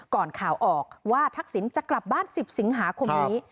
ข่าวออกว่าทักษิณจะกลับบ้าน๑๐สิงหาคมนี้